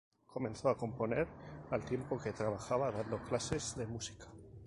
Comenzó a componer al tiempo que trabajaba dando clases de música.